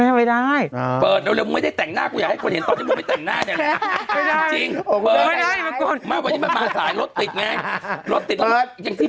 เองที่เธอเปิดหน้าสวยให้ประชาชนเห็นหน้าเท่าไหร่